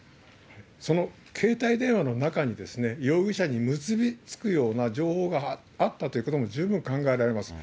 その携帯電話の中に、容疑者に結び付くような情報があったということも十分考えられますね。